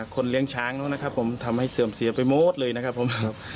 คนเลี้ยงช้างเนอะนะครับผมทำให้เสื่อมเสียไปหมดเลยนะครับผม